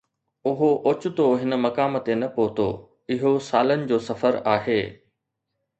اهو اوچتو هن مقام تي نه پهتو، اهو سالن جو سفر آهي.